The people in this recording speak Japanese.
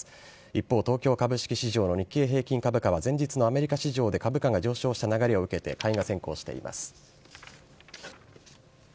一方、東京株式市場の日経平均株価は前日のアメリカ市場で株価が上昇した流れを受けて買いが先行しています。